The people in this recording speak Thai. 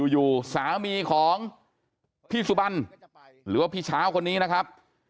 อยู่สามีของพี่สุบันหรือว่าพี่เช้าคนนี้นะครับ